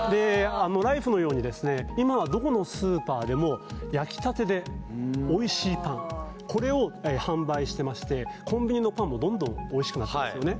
ライフのように今はどこのスーパーでも焼きたてでおいしいパンこれを販売してましてコンビニのパンもどんどんおいしくなってますよね